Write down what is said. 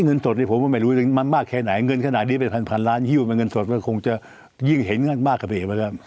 เงินสดนี่ผมก็ไม่รู้มันมากแค่ไหนเงินขนาดนี้เป็นพันล้านหิ้วเป็นเงินสดก็คงจะยิ่งเห็นเงินมากกว่าเอกไปแล้ว